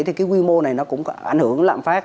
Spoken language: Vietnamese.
thì cái quy mô này nó cũng có ảnh hưởng lạm phát